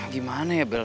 gimana ya bel